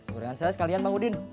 saudara saya sekalian bang udin